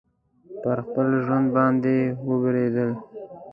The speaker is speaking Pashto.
پر خپل ژوند باندي وبېرېدی.